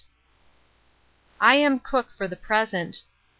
I am cook for the present.